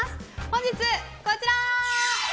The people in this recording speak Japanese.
本日、こちら。